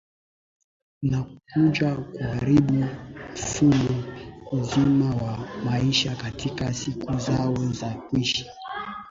Na kuja kuharibu mfumo mzima wa maisha katika siku zao za kuishi